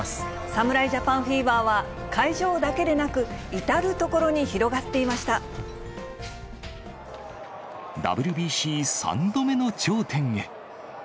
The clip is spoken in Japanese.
侍ジャパンフィーバーは、会場だけでなく、ＷＢＣ３度目の頂点へ。